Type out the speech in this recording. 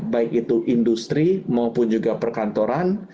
baik itu industri maupun juga perkantoran